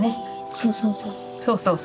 そうそうそうそう。